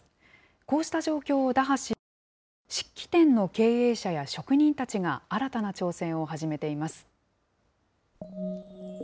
こうした状況を打破しようと、漆器店の経営者や職人たちが新たな挑戦を始めています。